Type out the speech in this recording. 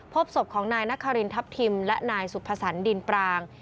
พบศพของนายนครินทัพทิมและนายสุภสรรดินปราง